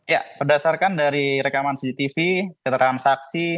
ya berdasarkan dari rekaman cgtv keterangkan saksi